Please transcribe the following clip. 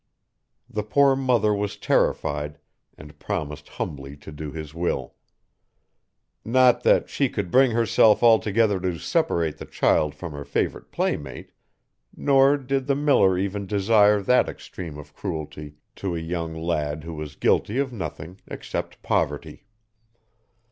The poor mother was terrified, and promised humbly to do his will. Not that she could bring herself altogether to separate the child from her favorite playmate, nor did the miller even desire that extreme of cruelty to a young lad who was guilty of nothing except poverty.